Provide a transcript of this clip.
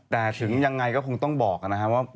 แต่ถึงยังไงก็คงต้องบอกนะครับว่า